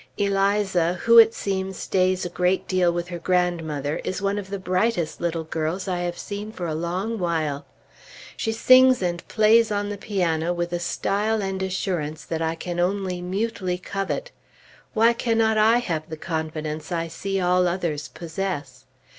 Eliza, who it seems stays a great deal with her grandmother, is one of the brightest little girls I have seen for a long while. She sings and plays on the piano with a style and assurance that I can only mutely covet. Why cannot I have the confidence I see all others possess?